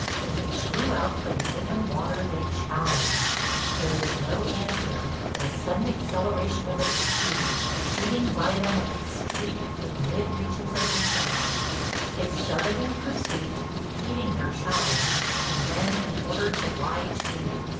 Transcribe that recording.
As it drew out for the open water they challenged. There was no answer, but a sudden acceleration of its speed, shooting by them like a streak for the mid reaches of the Sound. They started in pursuit, repeating their challenge and then an order to lie to.